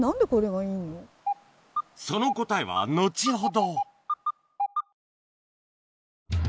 その答えは後ほど